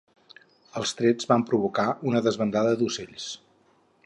Els trets van provocar una desbandada d'ocells